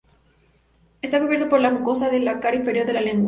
Está cubierto por la mucosa de la cara inferior de la lengua.